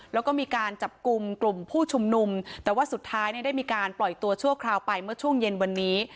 แล้วก็มีการจับกลุ่มกลุ่มผู้ชุมนุมแต่ว่าสุดท้ายเนี่ยได้มีการปล่อยตัวชั่วคราวไปเมื่อช่วงเย็นวันนี้